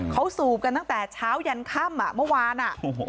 เขาสูบกันตั้งแต่เช้ายันค่ำเมื่อวาน